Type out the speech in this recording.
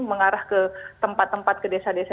mengarah ke tempat tempat ke desa desa